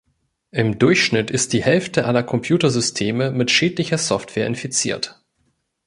Im Durchschnitt ist die Hälfte aller Computersysteme mit schädlicher Software infiziert.